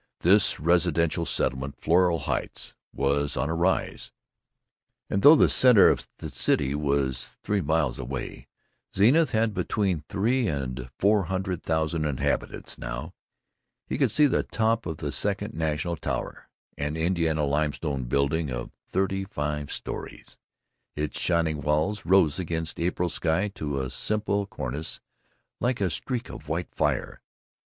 This residential settlement, Floral Heights, was on a rise; and though the center of the city was three miles away Zenith had between three and four hundred thousand inhabitants now he could see the top of the Second National Tower, an Indiana limestone building of thirty five stories. Its shining walls rose against April sky to a simple cornice like a streak of white fire.